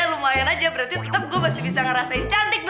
asik asik asik asik asik